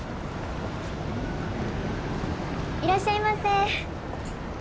いらっしゃいませ。